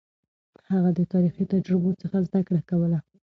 هغه د تاريخي تجربو څخه زده کړه کوله.